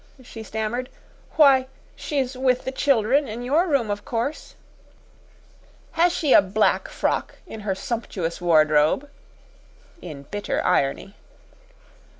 she stammered. "Why, she's with the children in your room, of course." "Has she a black frock in her sumptuous wardrobe?" in bitter irony.